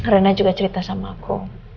rena juga cerita sama aku